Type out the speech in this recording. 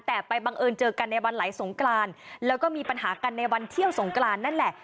แต่ไปบังเอิญเจอกันในวันไหลสงกรานแล้วก็มีปัญหากันในวันเที่ยวสงกรานนั่นแหละ